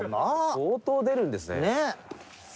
相当出るんですね。